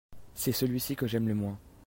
c'est celui-ci que j'aime le moins.